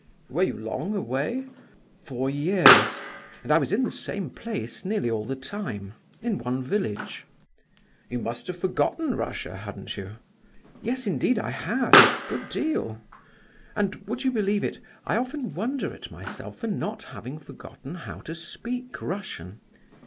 "H'm! were you long away?" "Four years! and I was in the same place nearly all the time,—in one village." "You must have forgotten Russia, hadn't you?" "Yes, indeed I had—a good deal; and, would you believe it, I often wonder at myself for not having forgotten how to speak Russian?